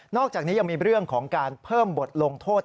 อกจากนี้ยังมีเรื่องของการเพิ่มบทลงโทษ